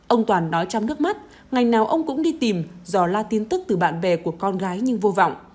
ông toàn nói trong nước mắt ngày nào ông cũng đi tìm do la tin tức từ bạn bè của con gái nhưng vô vọng